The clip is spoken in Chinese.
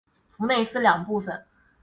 弗内斯两部分。